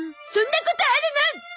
そんなことあるもん！